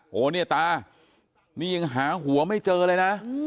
โหเนี่ยตานี่ยังหาหัวไม่เจอเลยนะ